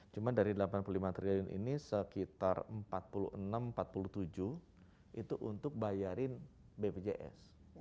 cuma dari rp delapan puluh lima triliun ini sekitar rp empat puluh enam empat puluh tujuh itu untuk bayarin bpjs